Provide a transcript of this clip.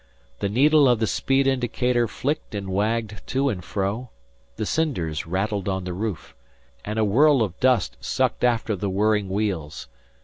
The needle of the speed indicator flicked and wagged to and fro; the cinders rattled on the roof, and a whirl of dust sucked after the whirling wheels.